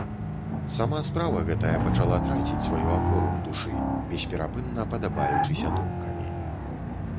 Сама справа гэтая пачала траціць сваю апору ў душы, бесперапынна падабаючыся думкамі.